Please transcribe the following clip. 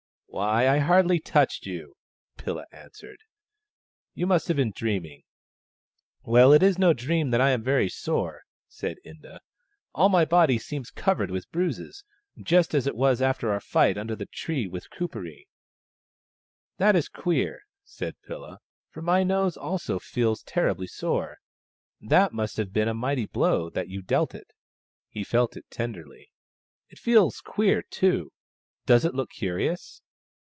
" Why, I hardly touched you," Pilla answered. " You must have been dreaming." " Well, it is no dream that I am very sore," said Inda. " All my body seems covered with bruises, just as it was after our fight under the tree of Kuperee." " That is queer," said Pilla, " for my nose also feels terribly sore. That must have been a mighty blow that you dealt it." He felt it tenderly. " It feels queer, too. Does it look curious